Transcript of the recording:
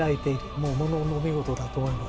ものの見事だと思います。